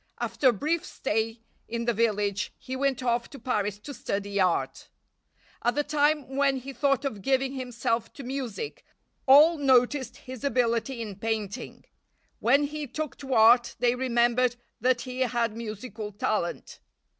After a brief stay in the village he went off to Paris to study art. At the time when he thought of giving himself to music all noticed his ability in painting. When he took to art they remembered that he had musical talent.